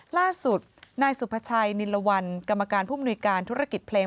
ล่าสุดนายสุภาชัยนิลวันกรรมการผู้มนุยการธุรกิจเพลง